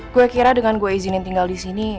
gue kira dengan gue izinin tinggal di sini